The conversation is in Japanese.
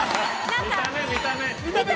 見た目？